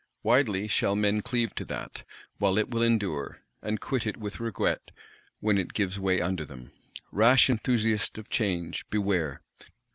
Widely shall men cleave to that, while it will endure; and quit it with regret, when it gives way under them. Rash enthusiast of Change, beware!